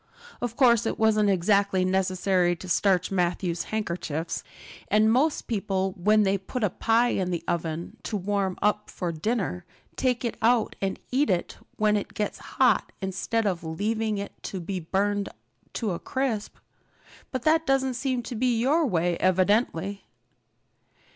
Of course it wasn't exactly necessary to starch Matthew's handkerchiefs! And most people when they put a pie in the oven to warm up for dinner take it out and eat it when it gets hot instead of leaving it to be burned to a crisp. But that doesn't seem to be your way evidently."